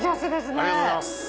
ありがとうございます。